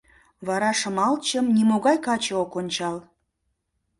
Вара Шымалчым нимогай каче ок ончал...